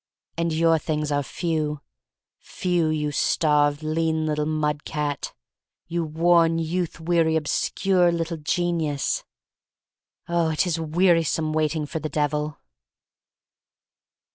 And your things are few, few, you starved, lean little mud cat — you worn, youth weary, obscure little genius! Oh, it is a wearisome waiting — for the Devil.